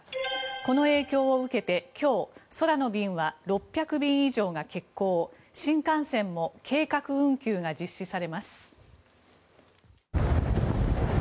この影響を受けて今日空の便は６００便以上が欠航新幹線も計画運休が実施されます。